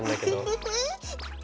ウフフフ。